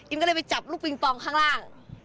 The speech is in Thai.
ก็เลยไปจับลูกปิงปองข้างล่าง